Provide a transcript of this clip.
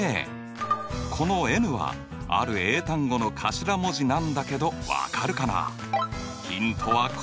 このｎはある英単語の頭文字なんだけど分かるかな？